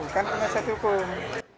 kan penajat hukum